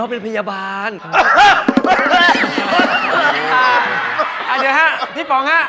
อ๋อเป็นพยาบาลครับ